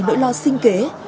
nỗi lo sinh kế